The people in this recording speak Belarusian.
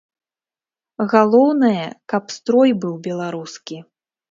Галоўнае, каб строй быў беларускі.